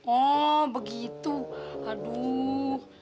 oh begitu aduh